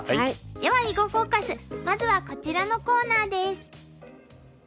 では「囲碁フォーカス」まずはこちらのコーナーです。